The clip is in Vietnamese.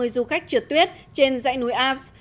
du khách trượt tuyết trên dãy núi alps